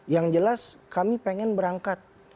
yang jelas kami ingin berangkat